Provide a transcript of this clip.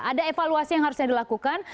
ada evaluasi yang harusnya dilakukan